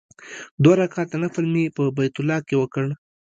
دوه رکعاته نفل مې په بیت الله کې وکړ.